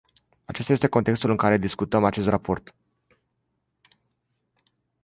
Acesta este contextul în care discutăm acest raport.